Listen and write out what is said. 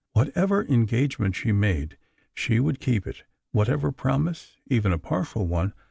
Whatever engagement she made, she would keep it; whatever promise, even a partial one.